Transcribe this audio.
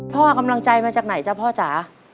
เอากำลังใจมาจากไหนจ๊ะพ่อจ๋า